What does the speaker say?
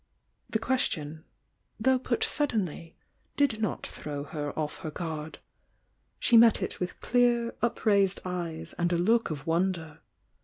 The question, though put suddenly, did not throw her off her guard. She met it with clear, upraised eyes and a look of wonder.